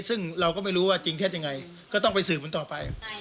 ซึ่งเราก็ไม่รู้ว่าจริงเท็จยังไงก็ต้องไปสืบมันต่อไป